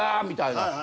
みたいな。